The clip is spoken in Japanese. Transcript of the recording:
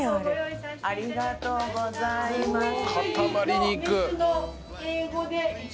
ありがとうございます。